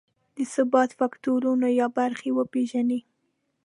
د ثبات فکټورونه یا برخې وپېژني.